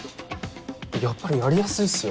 やっぱりやりやすいっすよ